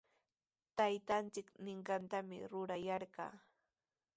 Taytanchik ninqantami rurayarqaa.